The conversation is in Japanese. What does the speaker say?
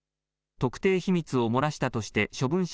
特定秘密を漏らしたとして処分者